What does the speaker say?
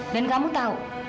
dan kamu tahu